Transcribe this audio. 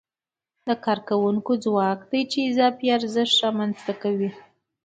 د کارکوونکو ځواک دی چې اضافي ارزښت رامنځته کوي